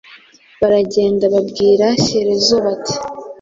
Baragenda babwira Shyerezo bati: